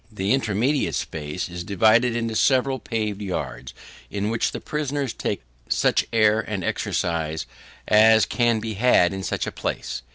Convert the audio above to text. The intermediate space is divided into several paved yards, in which the prisoners take such air and exercise as can be had in such a place.